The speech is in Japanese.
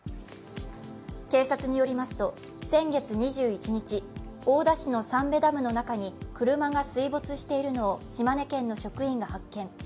警察によりますと、先月２１日大田市の三瓶ダムの中に車が水没しているのを島根県の職員が発見。